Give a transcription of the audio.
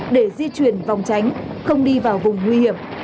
để di chuyển vòng tránh không đi vào vùng nguy hiểm